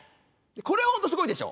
これ本当すごいでしょ？